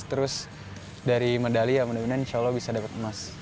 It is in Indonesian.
terus dari medali ya mudah mudahan insya allah bisa dapat emas